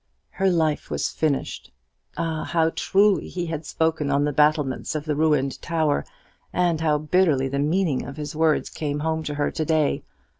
Her life was finished. Ah, how truly he had spoken on the battlements of the ruined tower! and how bitterly the meaning of his words came home to her to day!